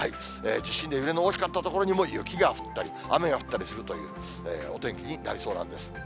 地震で揺れの大きかった所にも雪が降ったり、雨が降ったりするというお天気になりそうなんです。